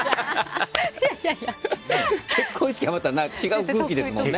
結婚式はまた違う空気ですもんね。